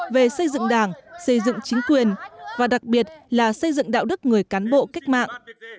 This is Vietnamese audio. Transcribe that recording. về xây dựng đảng xây dựng chính quyền và đặc biệt là xây dựng đạo đức người cán bộ cách mạng